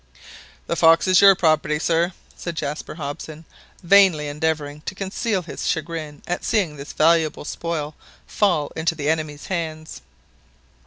"The fox is your property, sir," said Jaspar Hobson, vainly endeavouring to conceal his chagrin at seeing this valuable spoil fall into the enemy's hands.